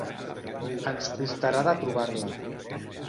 Ens costarà de trobar-la.